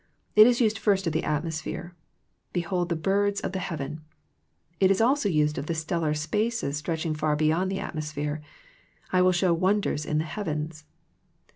It is used first of the atmosphere. "Behold the birds of the heaven." It is also used of the stellar spaces stretching far beyond the atmosphere. " I will show wonders in the heavens."